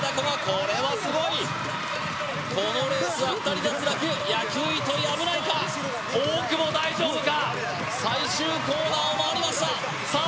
これはすごいこのレースは２人脱落野球・糸井危ないか大久保大丈夫か最終コーナーを回りましたさあ